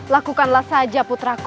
lakukanlah saja putriku